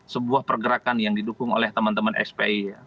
sebuah pergerakan yang didukung oleh teman teman spi